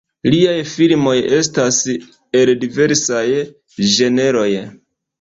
Liaj filmoj estas el diversaj ĝenroj.